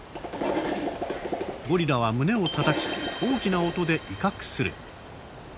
ゴリラは胸をたたき大きな音で威嚇する。